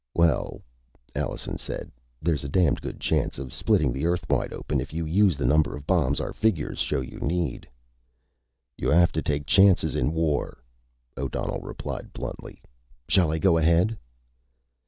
"Well," Allenson said, "there's a damned good chance of splitting the Earth wide open if you use the number of bombs our figures show you need." "You have to take chances in war," O'Donnell replied bluntly. "Shall I go ahead?"